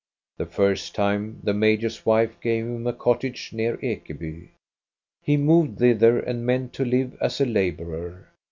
The first time the major's wife gave him a cottage near Ekeby ; he moved thither and meant to live as a laborer.